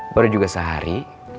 baru juga sehari